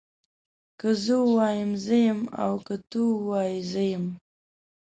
که زه ووایم زه يم او که ته ووايي زه يم